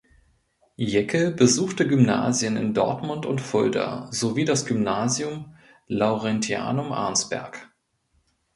Jäckel besuchte Gymnasien in Dortmund und Fulda sowie das Gymnasium Laurentianum Arnsberg.